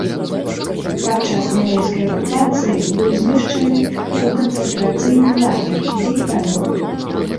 Падчас нямецкай акупацыі быў змешчаны ў канцэнтрацыйны лагер, дзе і памёр.